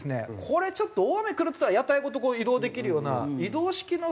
これちょっと大雨くるっつったら屋台ごと移動できるような移動式の。